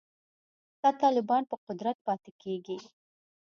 که طالبان په قدرت پاتې کیږي